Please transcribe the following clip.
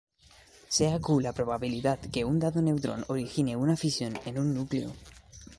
Sea q la probabilidad que un dado neutrón origine una fisión en un núcleo.